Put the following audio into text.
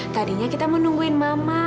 tadinya kita menungguin mama